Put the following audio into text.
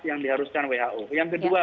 yang diharuskan who yang kedua